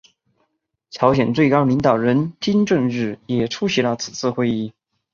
朝鲜最高领导人金正日也出席了此次会议。